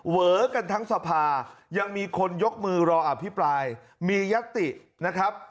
เวอกันทั้งสภายังมีคนยกมือรออภิปรายมียัตตินะครับ